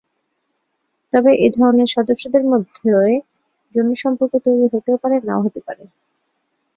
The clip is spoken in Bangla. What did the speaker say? তবে এধরনের সদস্যদের মধ্যে যৌন সম্পর্ক তৈরী হতেও পারে, নাও পারে।